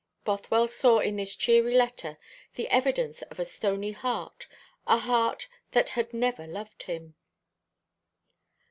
Bothwell saw in this cheery letter the evidence of a stony heart, a heart that had never loved him.